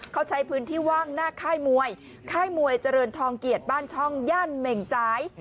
เขาใช้พื้นที่ว่างหน้าค่ายมวยค่ายมวยเจริญทองเกียรติบ้านช่องย่านเหม่งจ่าย